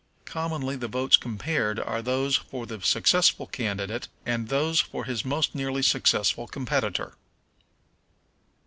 Commonly the votes compared are those for the successful candidate and those for his most nearly successful competitor.